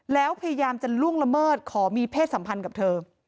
แล้วพยายามจะล่วงละเมิดขอมีเพศสัมพันธ์กับเธอ